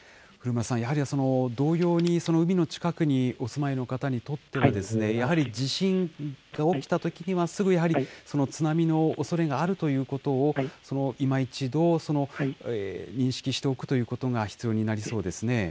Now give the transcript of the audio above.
古村さん、同様に海の近くにお住まいの方にとっては、やはり地震が起きたときには、すぐやはり津波のおそれがあるということを今一度、認識しておくということが必要になりそうですね。